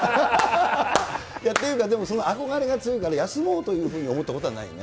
っていうか、憧れが強いから休もうというふうに思ったことはないよね。